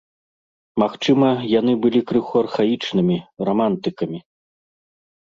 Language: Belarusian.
Магчыма, яны былі крыху архаічнымі, рамантыкамі.